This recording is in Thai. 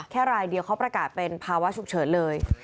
รายเดียวเขาประกาศเป็นภาวะฉุกเฉินเลย